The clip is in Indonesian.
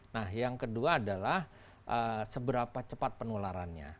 nah yang kedua adalah seberapa cepat penularannya